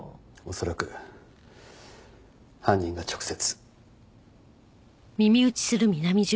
恐らく犯人が直接。